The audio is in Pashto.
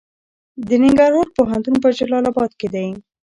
د ننګرهار پوهنتون په جلال اباد کې دی